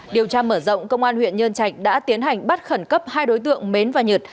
điều tra mở rộng công an huyện nhân trạch đã tiến hành bắt khẩn cấp hai đối tượng mến và nhật